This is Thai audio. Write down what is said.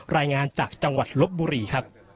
รายงานจากจังหวัดลบบุรีครับ